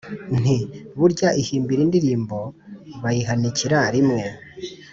Nti: “Burya ihimbira Indirimbo bayihanikira rimwe.